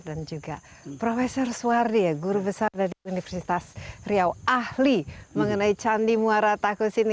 dan juga profesor suwardi guru besar dari universitas riau ahli mengenai candi muara takus ini